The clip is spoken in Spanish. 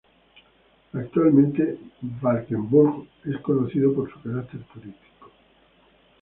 Actualmente Valkenburg es conocido por su carácter turístico.